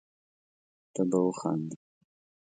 ته به وخاندي